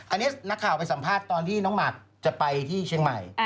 อันนี้นักข่าวไปสัมภาษณ์ตอนที่น้องหมากจะไปที่เชียงใหม่